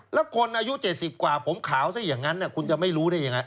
แล้วคนอายุ๗๐กว่าผมขาวซะอย่างนั้นคุณจะไม่รู้ได้ยังไง